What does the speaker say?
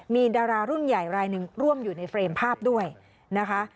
มีดารารุ่นใหญ่รายหนึ่งร่วมอยู่ในเฟรมภาพด้วยนะคะ